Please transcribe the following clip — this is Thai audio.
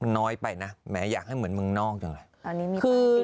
น้อยไปนะแม้อยากให้เหมือนเมืองนอกจังเลย